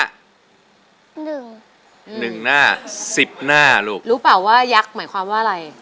หนึ่งหนึ่งหน้าสิบหน้าลูกรู้เปล่าว่ายักษ์หมายความว่าอะไร